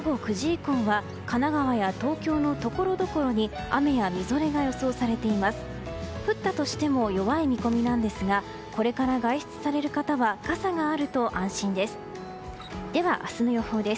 降ったとしても弱い見込みですがこれから外出される方は傘があると安心です。